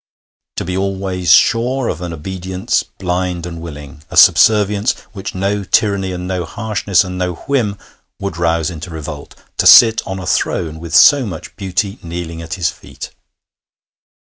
To be always sure of an obedience blind and willing, a subservience which no tyranny and no harshness and no whim would rouse into revolt; to sit on a throne with so much beauty kneeling at his feet!